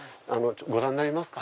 ご覧になりますか？